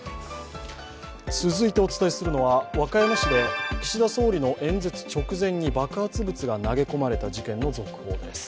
続いてお伝えするのは和歌山市で岸田総理の演説直前に爆発物が投げ込まれた事件の続報です。